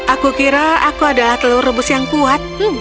aku kira aku adalah telur rebus yang kuat